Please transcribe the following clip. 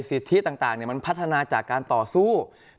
สิทธิต่างมันพัฒนาจากการต่อสู้